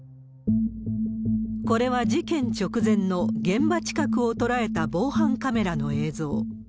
これは事件直前の現場近くを捉えた防犯カメラの映像。